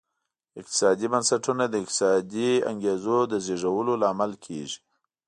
اقتصادي بنسټونه د اقتصادي انګېزو د زېږولو لامل کېږي.